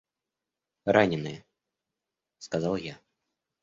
— Раненые, — сказал я.